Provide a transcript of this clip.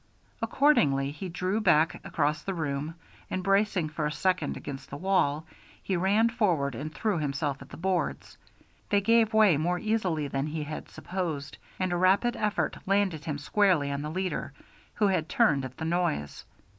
Accordingly he drew back across the room, and bracing for a second against the wall, he ran forward and threw himself at the boards. They gave way more easily than he had supposed, and a rapid effort landed him squarely on the leader, who had turned at the noise.